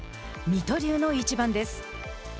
水戸龍の一番です。